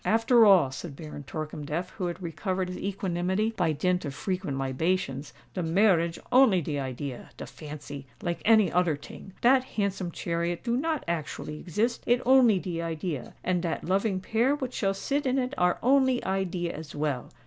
"After all," said Baron Torkemdef, who had recovered his equanimity, by dint of frequent libations, "de marriage only de idea—de fancy, like any oder ting. Dat handsome chariot do not actually exist—it only de idea; and dat loving pair what shall sit in it are only idea as well.